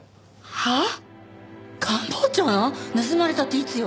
はあ？